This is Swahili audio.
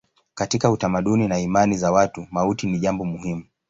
Katika utamaduni na imani za watu mauti ni jambo muhimu.